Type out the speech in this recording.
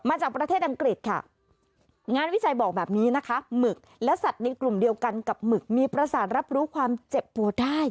มาจากประเทศอังกฤษค่ะงานวิจัยบอกแบบนี้นะคะหมึกและสัตว์ในกลุ่มเดียวกันกับหมึกมีประสานรับรู้ความเจ็บปวดได้